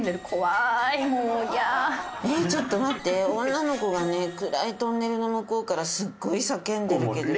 女の子がね暗いトンネルの向こうからすっごい叫んでるけど。